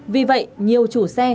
vì vậy nhiều chủ xe